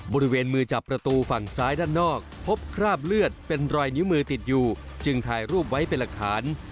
บริเวณมือจับประตูฝั่งซ้ายด้านนอกพบคราบเลือดเป็นรอยนิ้วมือติดอยู่จึงถ่ายรูปไว้เป็นหลักฐาน